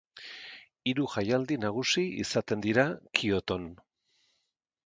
Hiru jaialdi nagusi izaten dira Kyoton.